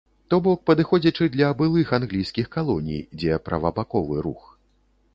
То бок падыходзячы для былых англійскіх калоній, дзе правабаковы рух.